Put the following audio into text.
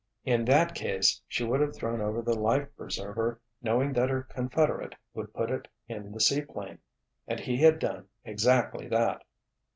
In that case she would have thrown over the life preserver knowing that her confederate would put it in the seaplane. And he had done exactly that!